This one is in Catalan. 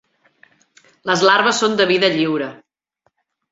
Les larves són de vida lliure.